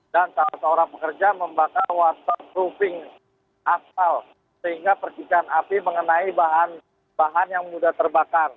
dan salah seorang pekerja membakar waspada roofing asal sehingga percikan api mengenai bahan bahan yang mudah terbakar